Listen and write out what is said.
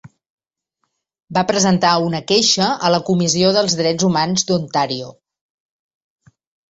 Va presentar una queixa a la Comissió dels Drets Humans d'Ontario.